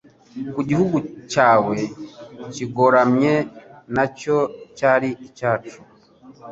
ko igihugu cyawe kigoramye nacyo cyari icyacu